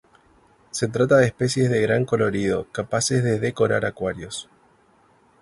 Se trata de especies de gran colorido, capaces de decorar acuarios.